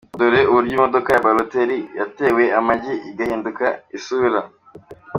Dore uburyo imodoka ya Balotelli yatewe amagi igahindura isura.